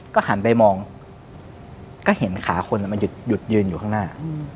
ก็หันไปมองก็เห็นขาคนมันหยุดยืนอยู่ข้างหน้า